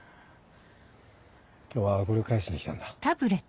今日はこれを返しに来たんだ。